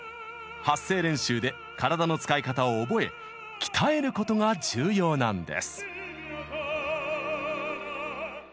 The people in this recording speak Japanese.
発声練習で体の使い方を覚え鍛えることが重要なんです。